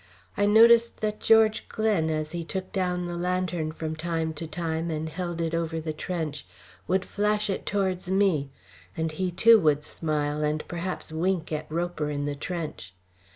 I noticed that George Glen, as he took down the lantern from time to time and held it over the trench, would flash it towards me; and he, too, would smile and perhaps wink at Roper in the trench.